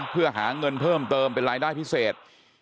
เพื่อหาเงินเพิ่มเติมเป็นรายได้พิเศษ